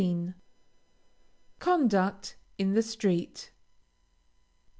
CONDUCT IN THE STREET.